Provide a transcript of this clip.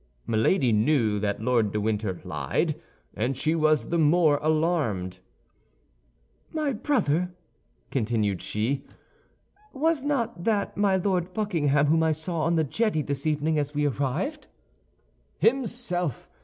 Milady knew that Lord de Winter lied, and she was the more alarmed. "My brother," continued she, "was not that my Lord Buckingham whom I saw on the jetty this evening as we arrived?" "Himself.